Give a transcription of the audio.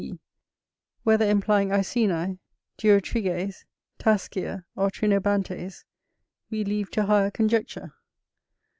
T.;_ whether implying Iceni, Durotriges, Tascia, or Trinobantes, we leave to higher conjecture.